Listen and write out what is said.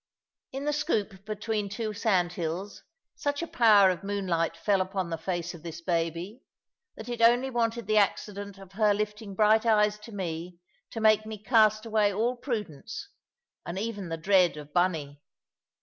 In the scoop between two sandhills such a power of moonlight fell upon the face of this baby, that it only wanted the accident of her lifting bright eyes to me to make me cast away all prudence, and even the dread of Bunny.